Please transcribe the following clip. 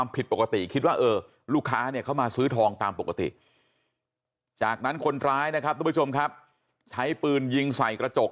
ปกติจากนั้นคนร้ายนะครับทุกผู้ชมครับใช้ปืนยิงใส่กระจก